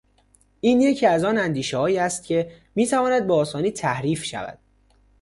این یکی از آن اندیشههایی است که میتواند به آسانی تحریف شود